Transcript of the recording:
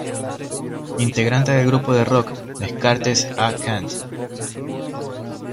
Integrante del grupo de rock Descartes A Kant.